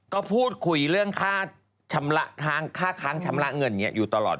ก็พูดคุยเรื่องค่าค้างชำระเงินอยู่ตลอด